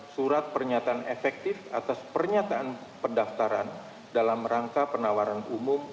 surat pernyataan efektif atas pernyataan pendaftaran dalam rangka penawaran umum